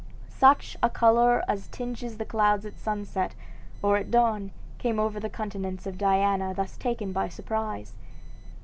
Such a color as tinges the clouds at sunset or at dawn came over the countenance of Diana thus taken by surprise.